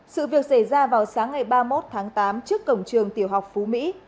sự việc xảy ra vào sáng ngày ba mươi một tháng tám trước cổng trường tiểu học phú mỹ